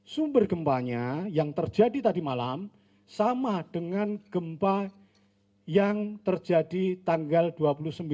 sumber gempanya yang terjadi tadi malam sama dengan gempa yang terjadi tanggal dua puluh sembilan